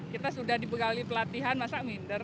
kita sudah dibekali pelatihan masa minder